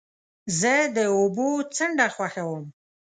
زه د اوبو څنډه خوښوم.